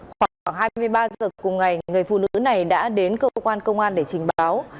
khoảng hai mươi ba h cùng ngày người phụ nữ này đã đến cơ quan công an để trình báo